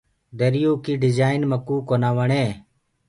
دريو ڪيٚ ڊجآئين ميڪوُ ڪونآ وڻي۔